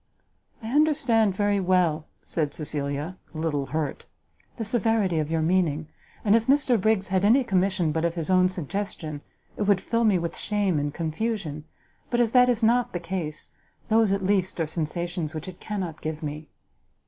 "I understand very well," said Cecilia, a little hurt, "the severity of your meaning; and if Mr Briggs had any commission but of his own suggestion, it would fill me with shame and confusion; but as that is not the case, those at least are sensations which it cannot give me."